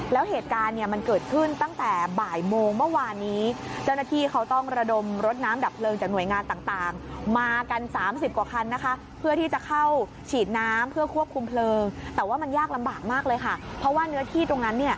แต่ว่ามันยากลำบากมากเลยค่ะเพราะว่าเนื้อที่ตรงนั้น